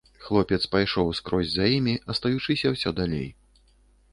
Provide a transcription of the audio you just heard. Хлопец пайшоў скрозь за імі, астаючыся ўсё далей.